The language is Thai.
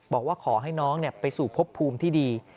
บอกว่าขอให้น้องไปสู่พบภูมิที่ดี